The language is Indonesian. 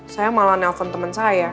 saya malah nyalpon temen saya